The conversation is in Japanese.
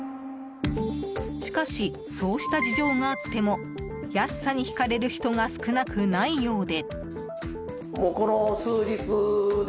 しかし、そうした事情があっても安さに引かれる人が少なくないようで。